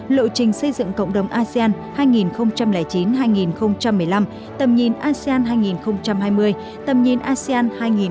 lộ trình xây dựng cộng đồng asean hai nghìn chín hai nghìn một mươi năm tầm nhìn asean hai nghìn hai mươi tầm nhìn asean hai nghìn hai mươi năm